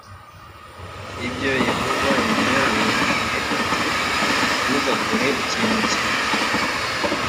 ibyo yehova yari yarababwiye ati ntimugakore ikintu kibi